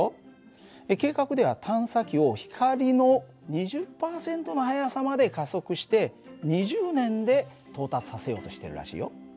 計画では探査機を光の２０％の速さまで加速して２０年で到達させようとしてるらしいよ。